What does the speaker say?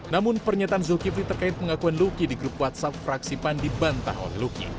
namun pernyataan zulkifli terkait pengakuan luki di grup whatsapp fraksi pan dibantah oleh luki